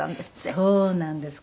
そうなんです。